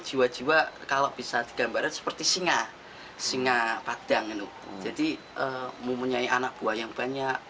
jiwa jiwa kalau bisa digambarkan seperti singa singa padang jadi mempunyai anak buah yang banyak